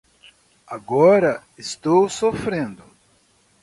Agora estou sofrendo